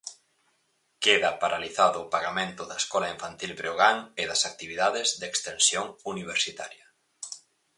Queda paralizado o pagamento da Escola Infantil Breogán e das actividades de extensión universitaria.